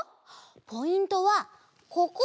ポイントはここ！